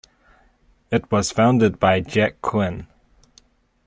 It was founded by Jack Quinn.